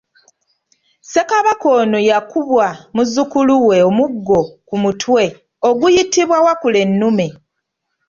Ssekabaka ono yakubwa muzzukulu we omuggo ku mutwe oguyitibwa wakulennume.